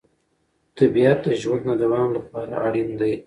طبیعت د ژوند د دوام لپاره اړین دی